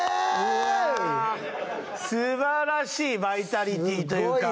すばらしいバイタリティーというか。